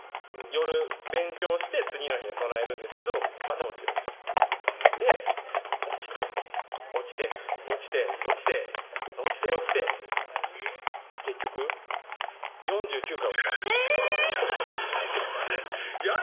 夜勉強して次の日に備えるんですけどまた落ちるんですよで落ちて落ちて落ちて落ちて落ちて落ちて結局４９回落ちたんですえぇ！